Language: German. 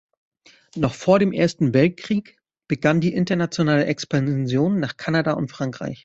Noch vor dem Ersten Weltkrieg begann die internationale Expansion nach Kanada und Frankreich.